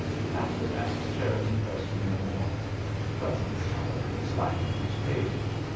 After that Cherriton pressed him no more. Presently, however, he slackened his pace.